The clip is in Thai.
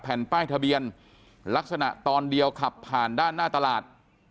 แผ่นป้ายทะเบียนลักษณะตอนเดียวขับผ่านด้านหน้าตลาด